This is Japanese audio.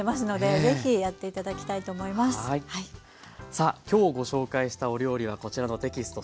さあ今日ご紹介したお料理はこちらのテキスト